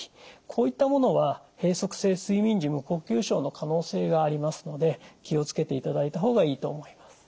こういったものは閉塞性睡眠時無呼吸症の可能性がありますので気を付けていただいた方がいいと思います。